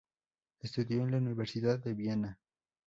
Estudió en la Universidad de Viena.